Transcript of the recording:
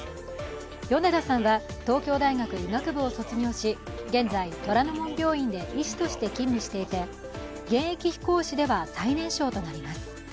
米田さんは東京大学医学部を卒業し、現在、虎の門病院で医師として勤務していて現役飛行士では最年少となります。